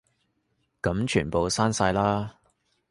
噉全部刪晒啦